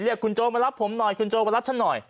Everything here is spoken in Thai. เรียกคุณโจมารับผมหน่อยคุณโจมารับฉันหน่อย